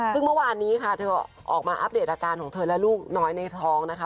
ซึ่งเมื่อวานนี้ค่ะเธอออกมาอัปเดตอาการของเธอและลูกน้อยในท้องนะคะ